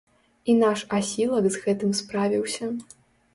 І наш асілак з гэтым справіўся.